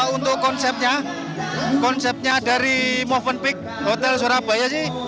untuk konsepnya konsepnya dari movement peak hotel surabaya sih